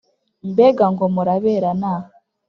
mbega ngo muraberana!"